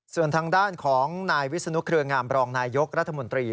ส่วนทางด้านของนายวิศนุเครืองามรองนายยกรัฐมนตรี